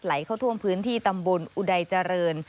เข้าท่วมพื้นที่ตำบลอุดัยเจริญ